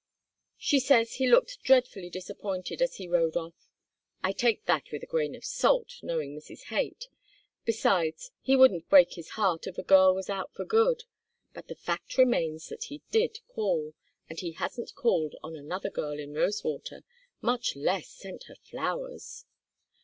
She says he looked dreadfully disappointed as he rode off. I take that with a grain of salt, knowing Mrs. Haight; besides, he wouldn't break his heart if a girl was out for good. But the fact remains that he did call, and he hasn't called on another girl in Rosewater, much less sent her flowers.